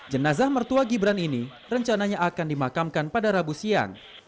jenazah mertua gibran ini rencananya akan dimakamkan pada rabu siang